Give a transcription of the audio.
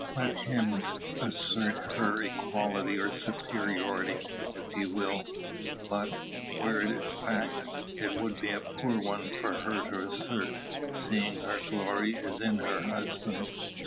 Let him assert her equality or superiority if he will; but, were it a fact, it would be a poor one for her to assert, seeing her glory is in her husband.